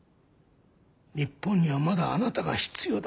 日本にはまだあなたが必要だ。